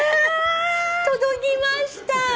届きました！